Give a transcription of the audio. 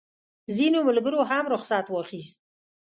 ځینو ملګرو هم رخصت واخیست.